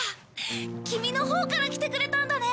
キミのほうから来てくれたんだね。